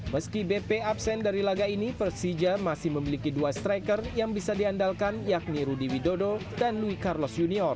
meski bp absen dari laga ini persija masih memiliki dua striker yang bisa diandalkan yakni rudy widodo dan louis carlos junior